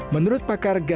menurut pakar gita